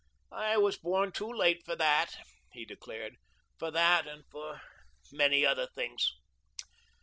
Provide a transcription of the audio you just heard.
"I was born too late for that," he declared, "for that, and for many other things.